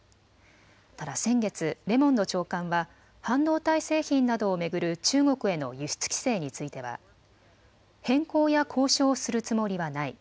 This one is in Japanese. ただ先月、レモンド長官は半導体製品などを巡る中国への輸出規制については変更や交渉をするつもりはない。